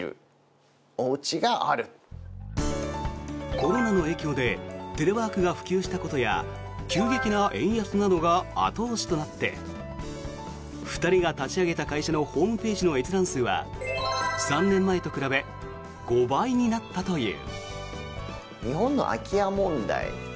コロナの影響でテレワークが普及したことや急激な円安などが後押しとなって２人が立ち上げた会社のホームページの閲覧数は３年前と比べ５倍になったという。